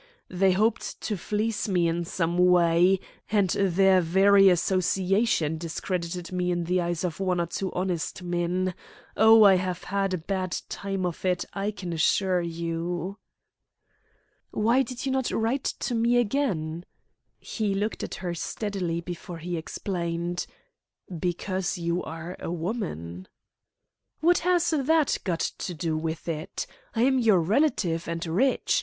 They hoped to fleece me in some way, and their very association discredited me in the eyes of one or two honest men. Oh, I have had a bad time of it, I can assure you!" "Why did you not write to me again?" He looked at her steadily before he explained: "Because you are a woman." "What has that got to do with it? I am your relative, and rich.